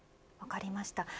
分かりました。